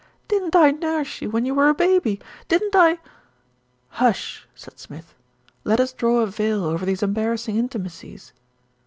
"Didn't I nurse you when you were a baby, didn't I " "Hush," said Smith, "let us draw a veil over these embarrassing intimacies."